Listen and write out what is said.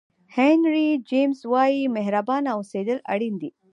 هینري جمیز وایي مهربانه اوسېدل اړین دي.